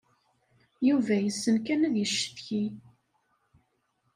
Yuba yessen kan ad yeccetki.